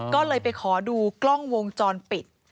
ก็เลยไปขอดูกล้องวงจรปิด